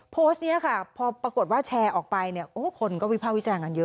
โพสต์นี้ค่ะพอปรากฏว่าแชร์ออกไปคนก็วิภาวิจัยกันเยอะ